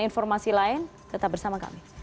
informasi lain tetap bersama kami